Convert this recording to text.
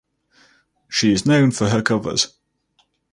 She is known for her covers.